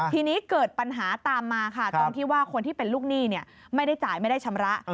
ทีนี้เกิดปัญหาตามมาค่ะตรงที่ว่าคนที่เป็นลูกหนี้ไม่ได้จ่ายไม่ได้ชำระ